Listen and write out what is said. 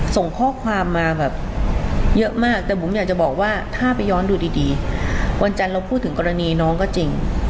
ส่งข้อความมาแบบเยอะมากแต่บุ๋มอยากจะบอกว่าถ้าไปย้อนดูดีวันจันทร์เราพูดถึงกรณีน้องก็จริง